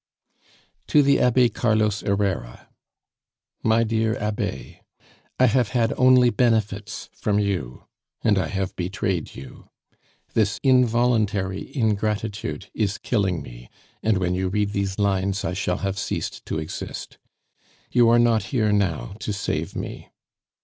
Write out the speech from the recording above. "To the Abbe Carlos Herrera. "MY DEAR ABBE, I have had only benefits from you, and I have betrayed you. This involuntary ingratitude is killing me, and when you read these lines I shall have ceased to exist. You are not here now to save me.